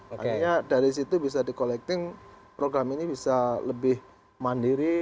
artinya dari situ bisa di collecting program ini bisa lebih mandiri